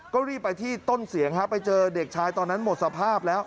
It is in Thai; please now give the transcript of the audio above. ก็รีบไปที่ต้นเสียงครับไปเจอเด็กชายตอนนั้นหมดสภาพแล้ว